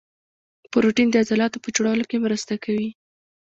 پروټین د عضلاتو په جوړولو کې مرسته کوي